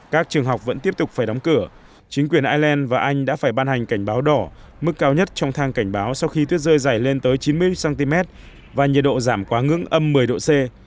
các trường học vẫn tiếp tục phải đóng cửa chính quyền ireland và anh đã phải ban hành cảnh báo đỏ mức cao nhất trong thang cảnh báo sau khi tuyết rơi dày lên tới chín mươi một cm và nhiệt độ giảm quá ngưỡng âm một mươi độ c